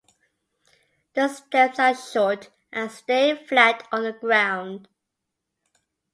The stems are short and stay flat on the ground.